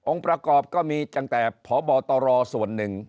ประกอบก็มีตั้งแต่พบตรส่วนหนึ่ง